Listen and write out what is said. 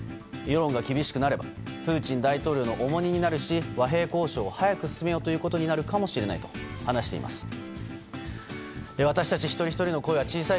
世論が厳しくなればプーチン大統領の重荷になるし和平交渉を早く進めようということになるかもしれないと話しています。